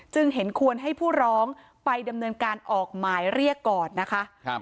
เห็นควรให้ผู้ร้องไปดำเนินการออกหมายเรียกก่อนนะคะ